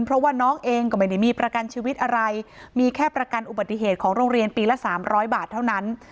เพราะว่าน้องเองก็ไม่ได้มีประกันชีวิตอะไรมีแค่ประกันอุบัติเหตุของโรงเรียนปีละ๓๐๐บาทเท่านั้น